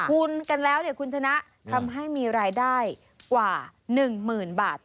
คุณกันแล้วเนี่ยคุณชนะทำให้มีรายได้กว่า๑๐๐๐บาท